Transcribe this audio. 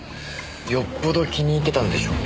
よっぽど気に入ってたんでしょうね。